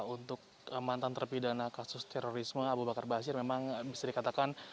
untuk mantan terpidana kasus terorisme abu bakar basir memang bisa dikatakan